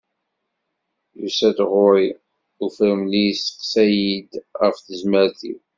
Yusa-d ɣur-i ufremli yesteqsa-yid ɣef tezmert-iw.